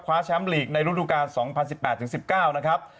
คว้าแชมป์ลีกในรุ่นทุกราศ๒๐๑๘๒๐๑๙นะครับ